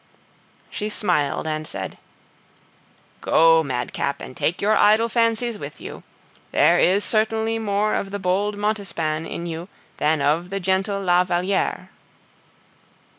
She smiled and said: "Go, madcap, and take your idle fancies with you. There is certainly more of the bold Montespan in you than of the gentle la Valliere."